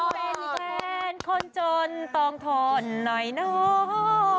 เป็นแฟนคนจนต้องทนหน่อยเนาะ